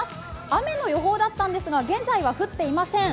雨の予報だったんですが、現在は降っていません。